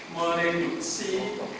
mereduksi dan mengaktifkan